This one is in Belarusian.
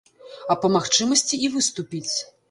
А па магчымасці і выступіць.